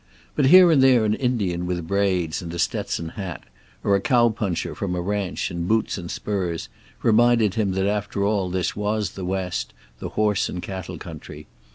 But here and there an Indian with braids and a Stetson hat, or a cowpuncher from a ranch in boots and spurs reminded him that after all this was the West, the horse and cattle country.